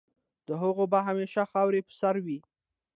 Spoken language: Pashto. د هغوی به همېشه خاوري په سر وي